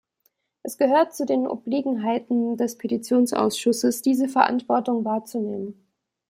Es gehört zu den Obliegenheiten des Petitionsausschusses, diese Verantwortung wahrzunehmen.